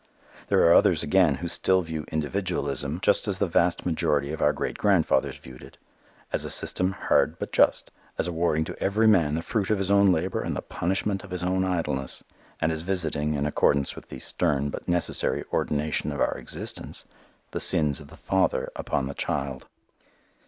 There are others again who still view individualism just as the vast majority of our great grandfathers viewed it, as a system hard but just: as awarding to every man the fruit of his own labor and the punishment of his own idleness, and as visiting, in accordance with the stern but necessary ordination of our existence, the sins of the father upon the child.